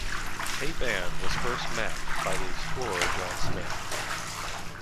Cape Ann was first mapped by the explorer John Smith.